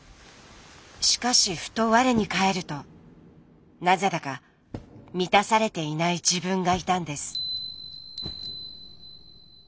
しかしふと我に返るとなぜだか満たされていない自分がいたんです。